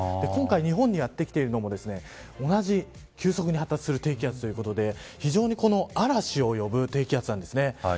今回日本にやってきているのも同じ急速に発達する低気圧ということで非常に嵐を呼ぶ低気圧なんですね。